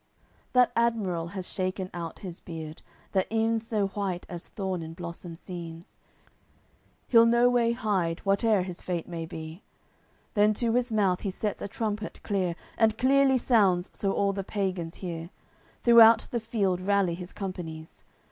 CCLV That admiral has shaken out his beard That ev'n so white as thorn in blossom seems; He'll no way hide, whateer his fate may be, Then to his mouth he sets a trumpet clear, And clearly sounds, so all the pagans hear. Throughout the field rally his companies.